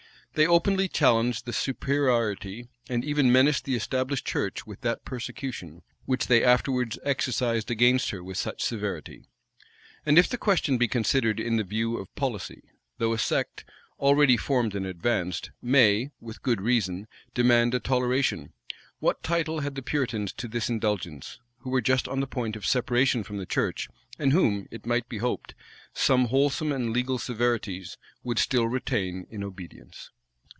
They openly challenged the superiority, and even menaced the established church with that persecution which they afterwards exercised against her with such severity. And if the question be considered in the view of policy, though a sect, already formed and advanced, may, with good reason, demand a toleration, what title had the Puritans to this indulgence, who were just on the point of separation from the church, and whom, it might be hoped, some wholesome and legal severities would still retain in obedience?[] * Nalson, vol. ii. p. 705. See note O, at the end of the volume.